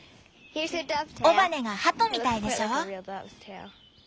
尾羽がハトみたいでしょ？